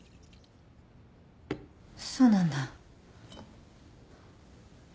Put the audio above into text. そうなんだ。